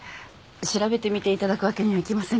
調べてみていただくわけにはいきませんか？